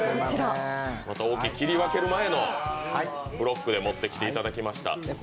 大きい、切り分ける前のブロックで持ってきていただきました。